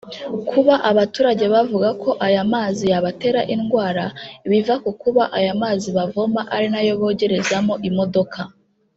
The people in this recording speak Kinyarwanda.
Kuba abaturage bavuga ko aya mazi yabatera indwara biva ku kuba aya mazi bavoma ari nayo bogerezamo imodoka